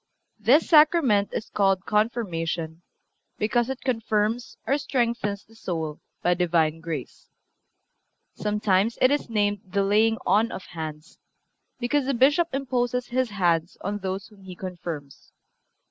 This Sacrament is called Confirmation, because it confirms or strengthens the soul by Divine grace. Sometimes it is named the laying on of hands, because the Bishop imposes his hands on those whom he confirms.